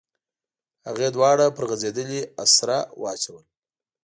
هغې دواړه پر غځېدلې اسره واچول.